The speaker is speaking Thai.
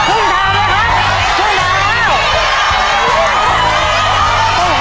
ครึ่งทางแล้ว